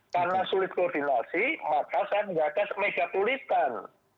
karena sulit koordinasi maka saya menggabungkan megapulitan